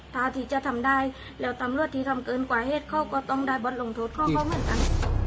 ถ้าที่จะทำได้แล้วตำรวจที่ทำเกินกว่าเหตุเขาก็ต้องได้บทลงโทษของเขาเหมือนกัน